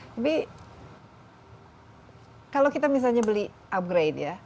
tapi kalau kita misalnya beli upgrade ya